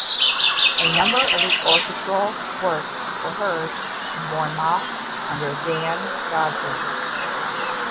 A number of his orchestral works were heard in Bournemouth under Dan Godfrey.